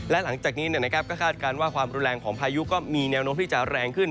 และหลังจากนี้ก็คาดการณ์ว่าความรุนแรงของพายุก็มีแนวโน้มที่จะแรงขึ้น